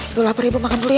udah laper ibu makan dulu ya